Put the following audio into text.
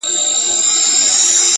پرهار ته مي راغلي مرهمونه تښتوي؛